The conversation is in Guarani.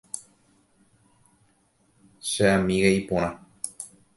Che amiga iporã.